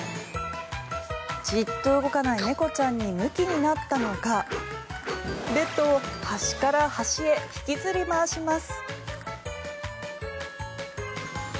じっと動かない猫ちゃんにむきになったのかベッドを端から端へ引きずり回します。